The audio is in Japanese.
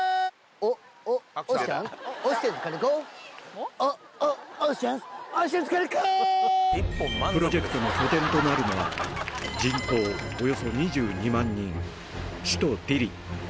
おっ、おっ、オーシャンズ、プロジェクトの拠点となるのは、人口およそ２２万人、首都ディリ。